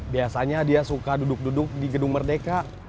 biasanya dia suka duduk duduk di gedung merdeka